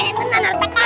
ini banyak harta karun